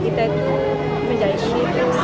kita harus menjaga keadaan kita